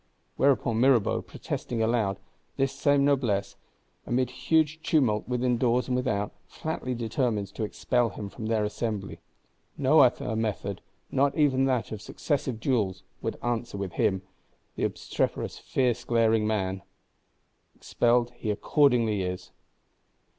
Whereupon Mirabeau protesting aloud, this same Noblesse, amid huge tumult within doors and without, flatly determines to expel him from their Assembly. No other method, not even that of successive duels, would answer with him, the obstreperous fierce glaring man. Expelled he accordingly is.